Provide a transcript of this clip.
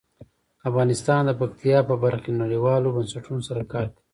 افغانستان د پکتیا په برخه کې نړیوالو بنسټونو سره کار کوي.